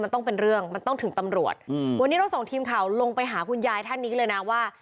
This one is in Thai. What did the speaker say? มันต้องเป็นเรื่องมันต้องถึงตำรวจอืมวันนี้เราส่งทีมข่าวลงไปหาคุณยายท่านนี้เลยนะว่า